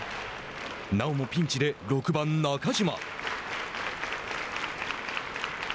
なおもピンチで６番中島。